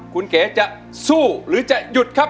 คุณเก๋จะสู้หรือจะหยุดครับ